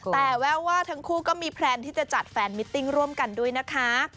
แต่แววว่าทั้งคู่ก็มีแพลนที่จะจัดแฟนมิตติ้งร่วมกันด้วยนะคะ